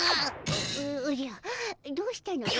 おおじゃどうしたのじゃ？